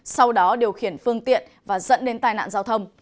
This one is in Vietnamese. sau đó điều khiển phương tiện và dẫn đến tai nạn giao thông